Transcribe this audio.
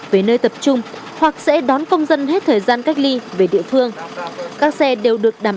về nơi tập trung hoặc sẽ đón công dân hết thời gian cách ly về địa phương các xe đều được đảm